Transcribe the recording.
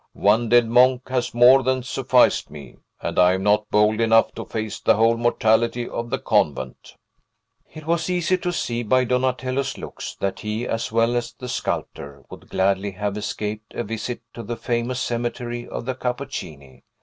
One dead monk has more than sufficed me; and I am not bold enough to face the whole mortality of the convent." It was easy to see, by Donatello's looks, that he, as well as the sculptor, would gladly have escaped a visit to the famous cemetery of the Cappuccini.